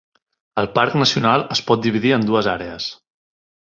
El parc nacional es pot dividir en dues àrees.